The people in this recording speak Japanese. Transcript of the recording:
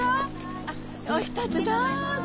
あっおひとつどうぞ！